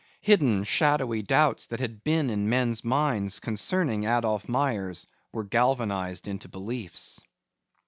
Hidden, shadowy doubts that had been in men's minds concerning Adolph Myers were galvanized into beliefs.